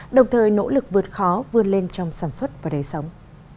đồng thời nỗ lực vượt khó vươn lên trong sản xuất và đời sống